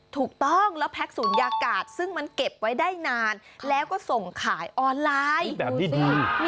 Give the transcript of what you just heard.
ถูกต้องแล้วแพ็คศูนยากาศซึ่งมันเก็บไว้ได้นานแล้วก็ส่งขายออนไลน์ดูสิ